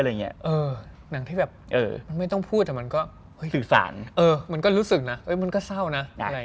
หนังที่แบบมันไม่ต้องพูดมันก็สื่อสารเออมันก็รู้สึกนะมันก็เศร้านะ